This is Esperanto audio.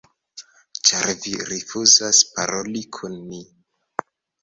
ĉar vi rifuzas paroli kun ni